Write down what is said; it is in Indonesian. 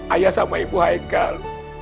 ayah sama ibu hai kal